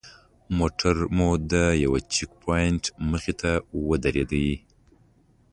موټر مو د یوه چیک پواینټ مخې ته ودرېد.